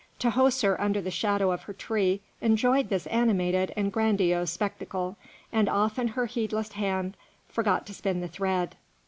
Tahoser under the shadow of her tree enjoyed this animated and grandiose spectacle, and often her heedless hand forgot to spin the thread.